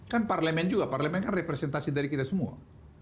kan parlemen juga parlemen kan representasi dari kita semua